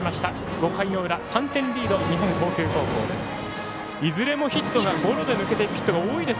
５回の裏、３点リード日本航空高校です。